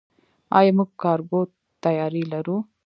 آیا موږ کارګو طیارې لرو؟